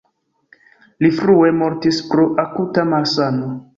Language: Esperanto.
Li frue mortis pro akuta malsano.